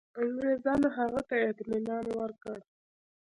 انګرېزانو هغه ته اطمیان ورکړ.